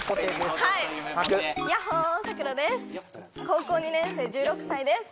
高校２年生１６歳です